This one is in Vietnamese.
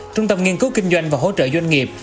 trung tâm nghiên cứu kinh doanh và hỗ trợ doanh nghiệp